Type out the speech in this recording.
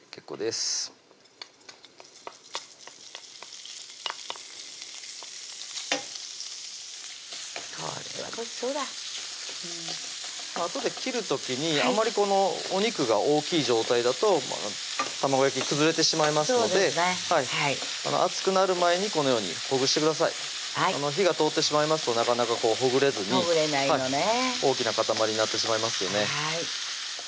これはごちそうだあとで切る時にあまりこのお肉が大きい状態だと卵焼き崩れてしまいますので熱くなる前にこのようにほぐしてください火が通ってしまいますとなかなかほぐれずに大きな塊になってしまいますよね